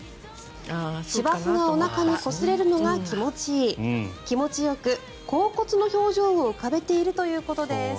芝生がおなかにこすれるのが気持ちいい気持ちよく恍惚の表情を浮かべているということです。